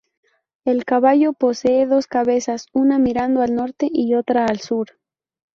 El caballo posee dos cabezas, una mirando al norte y otra al sur.